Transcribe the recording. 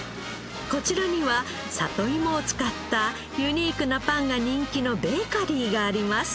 こちらには里いもを使ったユニークなパンが人気のベーカリーがあります。